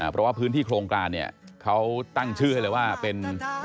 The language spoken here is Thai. เพราะว่าพื้นที่โครงการเนี่ยเขาตั้งชื่อให้เลยว่าเป็น